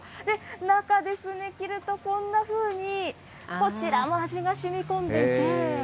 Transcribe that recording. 中、切るとこんなふうに、こちらも味がしみこんでて。